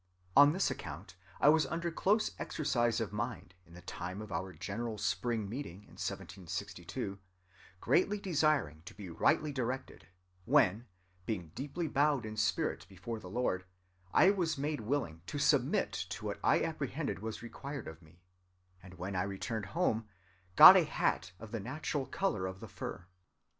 On this account I was under close exercise of mind in the time of our general spring meeting in 1762, greatly desiring to be rightly directed; when, being deeply bowed in spirit before the Lord, I was made willing to submit to what I apprehended was required of me; and when I returned home, got a hat of the natural color of the fur.